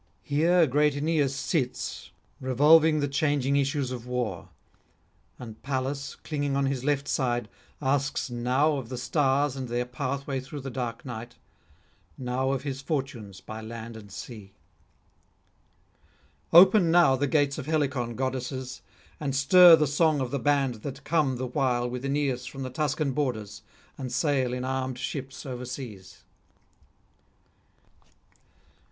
Here great Aeneas sits revolving the changing issues of war; and Pallas, clinging on his left side, asks now [161 195]of the stars and their pathway through the dark night, now of his fortunes by land and sea. Open now the gates of Helicon, goddesses, and stir the song of the band that come the while with Aeneas from the Tuscan borders, and sail in armed ships overseas.